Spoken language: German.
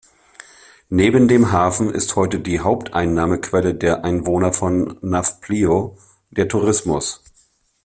Neben dem Hafen ist heute die Haupteinnahmequelle der Einwohner von Nafplio der Tourismus.